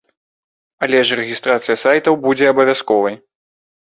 Але ж рэгістрацыя сайтаў будзе абавязковай.